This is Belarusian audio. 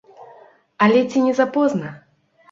Але ці не запозна?